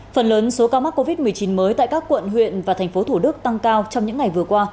phần lớn số ca mắc covid một mươi chín mới tại các quận huyện và thành phố thủ đức tăng cao trong những ngày vừa qua